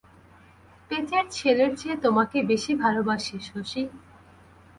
পেটের ছেলের চেয়ে তোমাকে বেশি ভালোবাসি শশী।